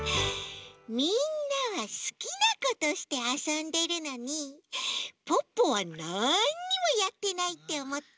みんなはすきなことしてあそんでるのにポッポはなんにもやってないっておもった？